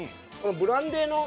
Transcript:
ブランデーの。